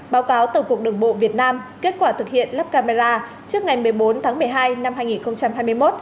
báo cáo tổng cục đường bộ việt nam kết quả thực hiện lắp camera trước ngày một mươi bốn tháng một mươi hai năm hai nghìn hai mươi một